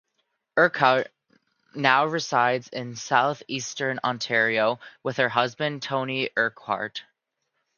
Urquhart now resides in South-Eastern Ontario with her husband Tony Urquhart.